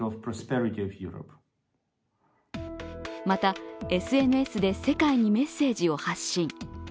また、ＳＮＳで世界にメッセージを発信。